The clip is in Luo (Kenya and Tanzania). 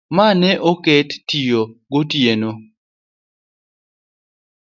ma ne oket mar tiyo gotieno.